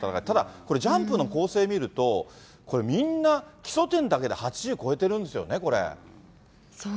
ただ、ジャンプの構成見ると、これ、みんな基礎点だけで８０超えてるんですよね、これ。